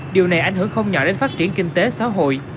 điều này ảnh hưởng không nhỏ đến phát triển kinh tế xã hội